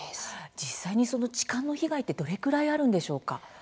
実際の痴漢の被害ってどれくらいあるんでしょうか？